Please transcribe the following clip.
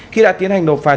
khi đã tiến hành nộp phạt